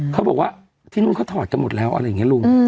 เขาบอกว่าที่นู่นเขาถอดกันหมดแล้วอะไรอย่างนี้ลุง